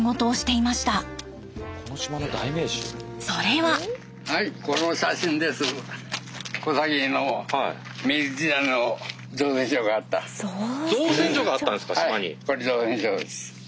これ造船所です。